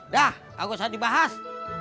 dah gak usah dibahas